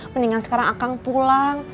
mendingan sekarang akang pulang